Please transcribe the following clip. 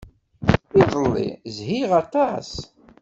Iḍelli, zhiɣ aṭas.